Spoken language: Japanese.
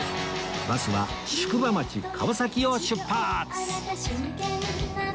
バスは宿場町川崎を出発！